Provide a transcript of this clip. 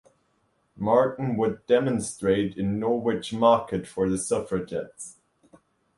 Marcon would demonstrate in Norwich market for the suffragettes.